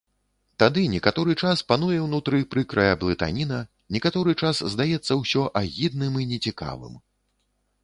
Тады некаторы час пануе ўнутры прыкрая блытаніна, некаторы час здаецца ўсё агідным і нецікавым.